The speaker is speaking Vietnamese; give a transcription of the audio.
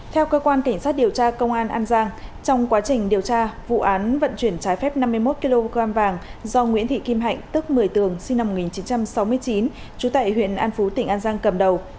theo cơ quan cảnh sát điều tra công an an giang trong quá trình điều tra vụ án vận chuyển trái phép năm mươi một kg vàng do nguyễn thị kim hạnh tức một mươi tường sinh năm một nghìn chín trăm sáu mươi chín trú tại huyện an phú tỉnh an giang cầm đầu